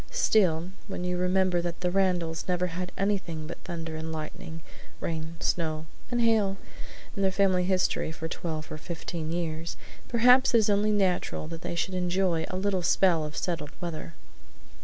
Still, when you remember that the Randalls never had anything but thunder and lightning, rain, snow, and hail, in their family history for twelve or fifteen years, perhaps it is only natural that they should enjoy a little spell of settled weather.